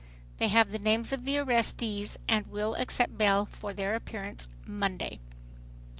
They have the names of the arrestees and will accept bail for their appearance Monday.